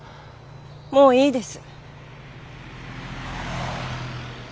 もういいです。